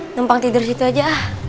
numpang tidur situ aja